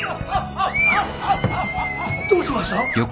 どうしました？